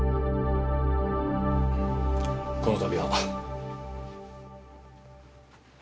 この度は。